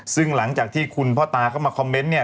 ซึ่งหลังจากที่คุณพ่อตาเข้ามาคอมเมนต์เนี่ย